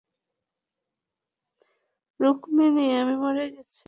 রুকমিনি, আমি মরে গেছি।